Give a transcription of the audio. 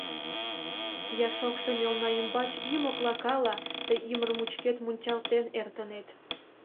Я шокшо мелна ӱмбач ӱй моклакала тый ӱмыр мучкет мунчалтен эртынет!